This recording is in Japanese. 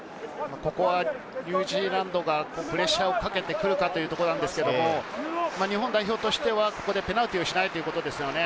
ニュージーランドがプレッシャーをかけてくるかというところなんですけれど、日本代表としてはペナルティーをしないことですね。